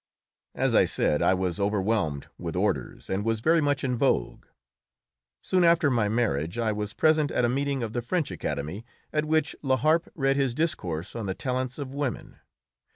As I said, I was overwhelmed with orders and was very much in vogue. Soon after my marriage I was present at a meeting of the French Academy at which La Harpe read his discourse on the talents of women.